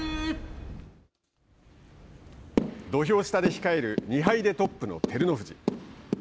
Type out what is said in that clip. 土俵下で控える２敗でトップの照ノ富士。